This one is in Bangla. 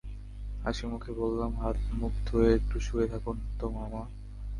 হাসিমুখে বললাম, হাত-মুখ ধুয়ে একটু শুয়ে থাকুন তো মামা।